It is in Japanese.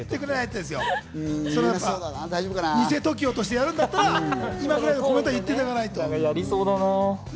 偽ＴＯＫＩＯとしてやるんだったら、今ぐらいのコメントを言っていただかないと。